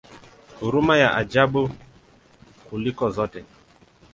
Huruma ya ajabu kuliko zote!